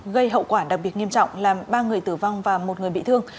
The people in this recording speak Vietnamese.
gây hậu quả đặc biệt nghiêm trọng làm ba người tử vong và một người bị thương